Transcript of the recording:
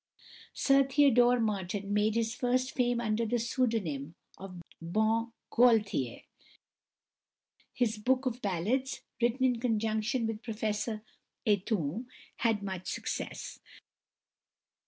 Sir Theodore Martin made his first fame under the pseudonym of Bon Gaultier. His "Book of Ballads," written in conjunction with Professor Aytoun, had much success.